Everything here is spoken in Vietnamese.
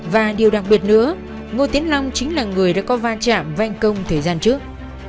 và điều đặc biệt nữa ngô tiến long chính là người đã có va chạm vanh công thời gian trước